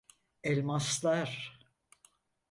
Elmaslar.